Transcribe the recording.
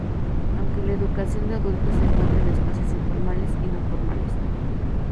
Aunque la educación de adultos se encuentra en espacios informales y no formales.